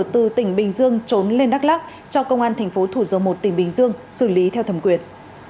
từ tỉnh bình dương trốn lên đắk lắk cho công an tp thủ dầu một tỉnh bình dương xử lý theo thẩm quyền